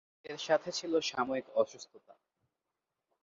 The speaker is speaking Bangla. এর সাথে ছিল সাময়িক অসুস্থতা।